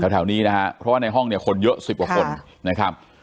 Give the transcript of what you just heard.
แถวนี้นะฮะเพราะว่าในห้องเนี่ยคนเยอะสิบกว่าคนนะครับ